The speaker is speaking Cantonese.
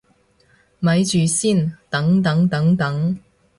咪住先，等等等等